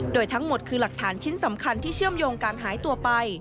โดยทั้งหมดคือหลักฐานชิ้นสำคัญที่เชื่อมโยงการหายตัวไป